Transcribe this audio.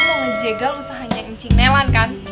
lu ngejegal usahanya ncing nelan kan